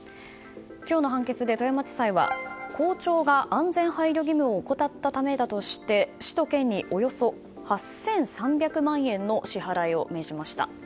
今日の判決で富山地裁は校長が安全配慮義務を怠ったためだとして市と県におよそ８３００万円の支払いを命じました。